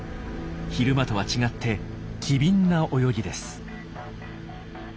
昼間とは違って機敏な泳ぎです。